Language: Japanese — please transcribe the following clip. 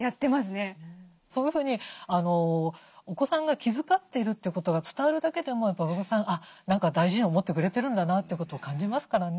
そういうふうにお子さんが気遣ってるということが伝わるだけでも親御さん何か大事に思ってくれてるんだなということを感じますからね。